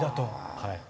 はい。